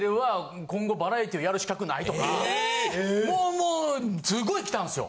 もうすごいきたんですよ。